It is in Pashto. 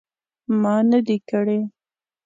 ما نه دي کړي